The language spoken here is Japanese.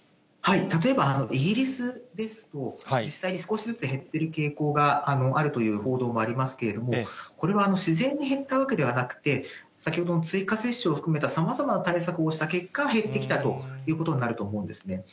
例えば、イギリスですと、実際に少しずつ減ってる傾向があるという報道もありますけれども、これは自然に減ったわけではなくて、先ほどの追加接種を含めた、さまざまな対策をした結果、減ってきたということになると思うんですね。